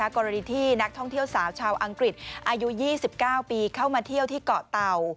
กรณีที่นักท่องเที่ยวสาวชาวอังกฤษอายุ๒๙ปีเข้ามาเที่ยวที่เกาะเต่า